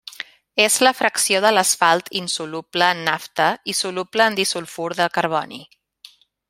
És la fracció de l'asfalt insoluble en nafta i soluble en disulfur de carboni.